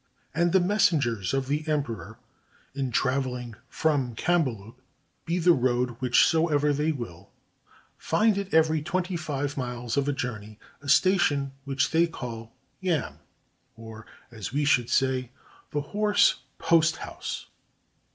And the messengers of the emperor in traveling from Cambaluc, be the road whichsoever they will, find at every twenty five miles of the journey a station which they call yamb, or, as we should say, the "horse post house."